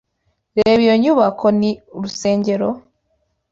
Reba iyo nyubako Ni urusengero?